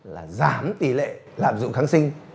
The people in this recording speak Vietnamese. là giảm tỷ lệ lạm dụng kháng sinh